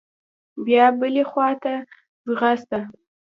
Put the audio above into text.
بيا بلې خوا ته ځغسته.